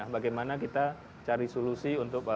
bagaimana kita cari solusi untuk